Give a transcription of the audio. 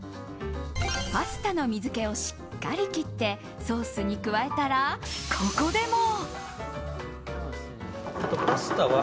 パスタの水気をしっかり切ってソースに加えたら、ここでも。